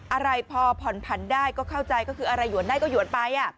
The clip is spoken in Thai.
อะไรพอผ่อนผันได้ก็เข้าใจก็คืออะไรหวนได้ก็หวนไป